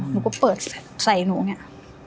หนูก็เปิดใส่หนูเนี่ย